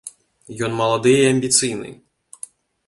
Ён малады і амбіцыйны.